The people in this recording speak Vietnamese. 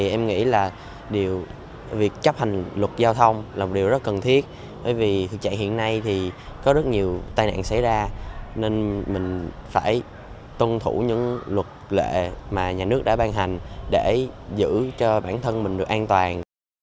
em nghĩ là việc chấp hành luật giao thông là một điều rất cần thiết bởi vì thực chạy hiện nay thì có rất nhiều tai nạn xảy ra nên mình phải tuân thủ những luật lệ mà nhà nước đã ban hành để giữ cho bản thân mình được an toàn